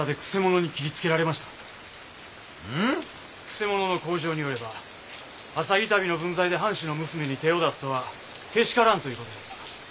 曲者の口上によれば浅葱足袋の分際で藩士の娘に手を出すとはけしからんということやった。